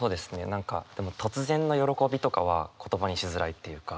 何かでも突然の喜びとかは言葉にしづらいっていうか。